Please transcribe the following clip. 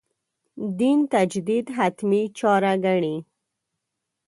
دین تجدید «حتمي» چاره ګڼي.